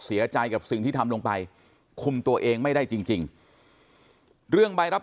เสียใจกับสิ่งที่ทำลงไปคุมตัวเองไม่ได้จริงเรื่องใบรับ